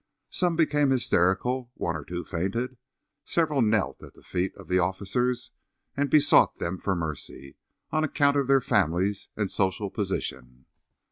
Some became hysterical; one or two fainted; several knelt at the feet of the officers and besought them for mercy on account of their families and social position.